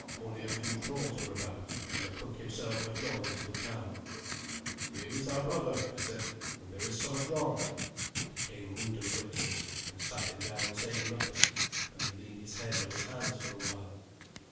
Only a few thralls were about, and the cook himself had gone into the town. "Here is our brother," I said, "and there is somewhat wrong." He came moodily up to us, and sat him down, saying nothing, and he leaned his head on his hands for a while.